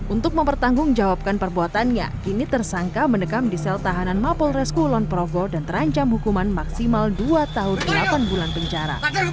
untuk mempertanggungjawabkan perbuatannya kini tersangka mendekam di sel tahanan mapolres kulon progo dan terancam hukuman maksimal dua tahun delapan bulan penjara